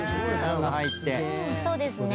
そうですね。